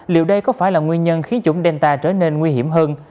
liệu đây có phải là nguyên nhân khiến chủng delta trở nên nguy hiểm hơn